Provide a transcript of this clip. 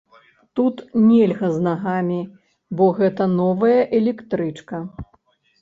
Тут нельга з нагамі, бо гэта новая электрычка.